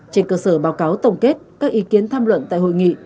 trên cơ sở báo cáo tổng kết các ý kiến tham luận tại hội nghị